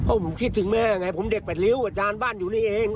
ผมคิดถึงแม่ไงผมเด็กแปดริ้วอาจารย์บ้านอยู่นี่เอง